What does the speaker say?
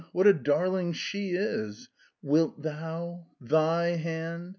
What a darling SHE is! 'Wilt THOU?' 'THY hand'!"